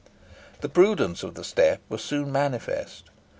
The prudence of the step was soon manifest.